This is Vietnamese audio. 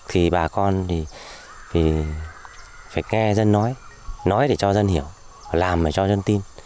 thì bà con thì phải nghe dân nói nói để cho dân hiểu làm để cho dân tin